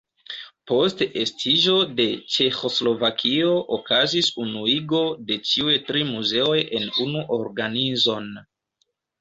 Post estiĝo de Ĉeĥoslovakio okazis unuigo de ĉiuj tri muzeoj en unu organizon.